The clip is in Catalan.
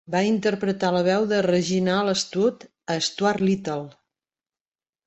Va interpretar la veu de Reginald Stout a Stuart Little.